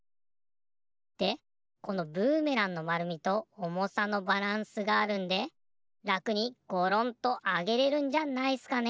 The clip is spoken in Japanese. でこのブーメランのまるみとおもさのバランスがあるんでらくにゴロンとあげれるんじゃないっすかね。